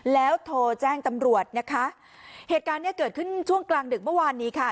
แล้วโทรแจ้งตำรวจนะคะเหตุการณ์เนี้ยเกิดขึ้นช่วงกลางดึกเมื่อวานนี้ค่ะ